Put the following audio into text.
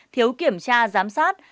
thiếu kiểm tra giám sát